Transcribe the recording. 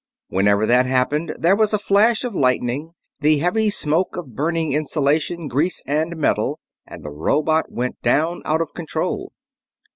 Whenever that happened there was a flash of lightning, the heavy smoke of burning insulation, grease, and metal, and the robot went down out of control.